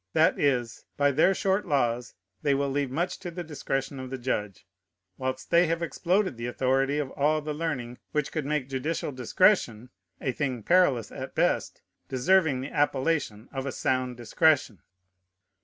That is, by their short laws, they will leave much to the discretion of the judge, whilst they have exploded the authority of all the learning which could make judicial discretion (a thing perilous at best) deserving the appellation of a sound discretion.